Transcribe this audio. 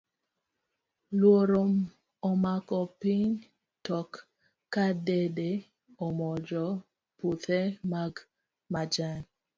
Luoro omako piny, tok ka dede omonjo puthe mag majan.